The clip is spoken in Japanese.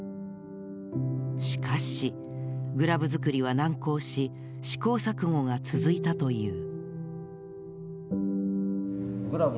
しかしグラブ作りは難航し試行錯誤が続いたという。